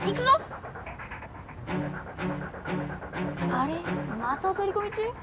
あれまたおとりこみ中？